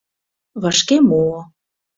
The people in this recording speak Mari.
Вашке муо.